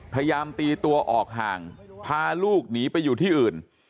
พยายามตีตัวออกห่างพาลูกหนีไปอยู่ที่อื่น